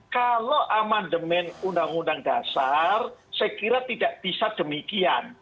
kalau amandemen undang undang dasar saya kira tidak bisa demikian